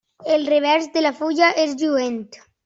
El revers de la fulla és lluent.